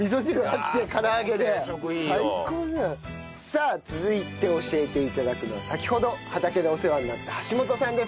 さあ続いて教えて頂くのは先ほど畑でお世話になった橋本さんです。